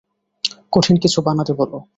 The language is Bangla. কঠিন কিছু বানাতে বলো।